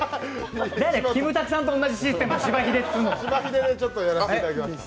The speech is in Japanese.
キムタクさんと同じシステム？